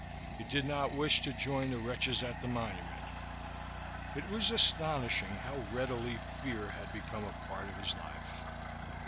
He did not wish to join the wretches at the Monument. It was astonishing how readily fear had become a part of his life.